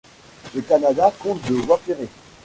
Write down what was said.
Le Canada compte de voies ferrées.